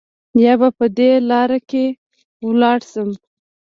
یا به په دې لاره کې مړه شو.